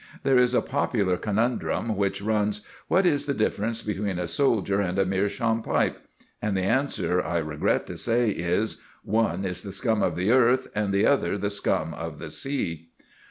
There is a popular conundrum which runs, "What is the difference between a soldier and a meerschaum pipe?" and the answer, I regret to say, is, "One is the scum of the earth, and the other the scum of the sea."